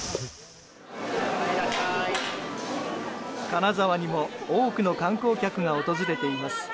金沢にも多くの観光客が訪れています。